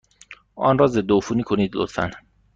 آن را ضدعفونی کنید، لطفا.